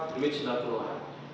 duit sudah keluar